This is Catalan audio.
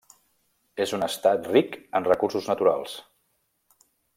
És un estat ric en recursos naturals.